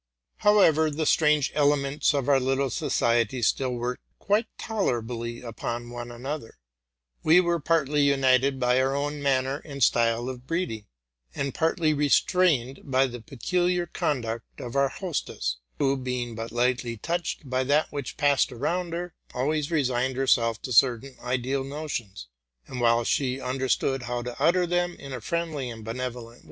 However, the strange elements of our little society still worked quite tolerably one upon another: we were partly united by our own manner and style of breeding, and partly restrained by the peculiar conduct of our hostess, who, being but lightly touched by that which passed around her, always resigned herself to certain ideal notions, and, while she un derstood how to utter them in a friendly and benevolent ee ee vy RELATING TO MY LIFE.